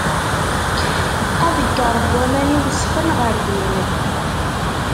Aḍegger n waman i iwesxen ɣer din.